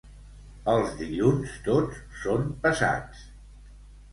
Els dilluns tots són pesats.